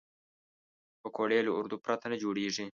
پکورې له آردو پرته نه جوړېږي